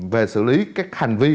về xử lý các hành vi